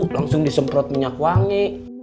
langsung disemprot minyak wangi